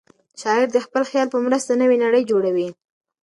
شاعر د خپل خیال په مرسته نوې نړۍ جوړوي.